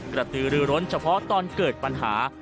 กระตือรือร้นเฉพาะตอนเกิดปัญหา